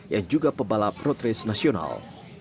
yang juga pebalap road race nasional